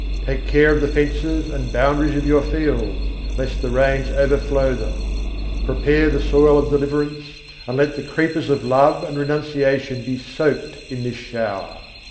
Take care of the fences and boundaries of your fields, lest the rains overflow them; Prepare the soil of deliverance, and let the creepers of love and renunciation be soaked in this shower.